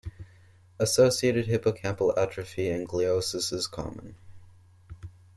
Associated hippocampal atrophy and gliosis is common.